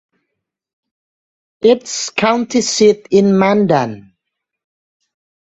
Its county seat is Mandan.